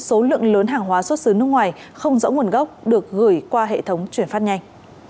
số lượng lớn hàng hóa xuất xứ nước ngoài không rõ nguồn gốc được gửi qua hệ thống chuyển phát nhanh